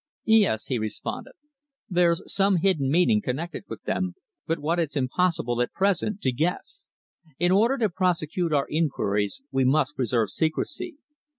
"Yes," he responded. "There's some hidden meaning connected with them, but what it's impossible at present to guess. In order to prosecute our inquiries we must preserve secrecy.